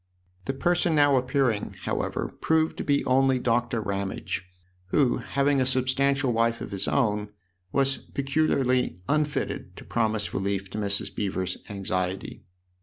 The person now appearing, however, proved to be only Doctor Ramage, who, having a substantial wife of his own, was peculiarly unfitted to promise relief to Mrs. Beever's anxiety.